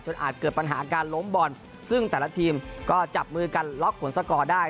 อาจเกิดปัญหาการล้มบอลซึ่งแต่ละทีมก็จับมือกันล็อกผลสกอร์ได้